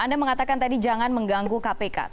anda mengatakan tadi jangan mengganggu keadaan pansus